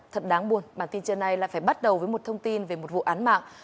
thật đáng buồn bản tin trưa nay lại phải bắt đầu với một thông tin về một vụ án mạng